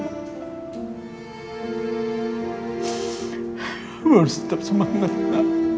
kamu harus tetap semangat